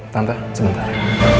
tante sebentar ya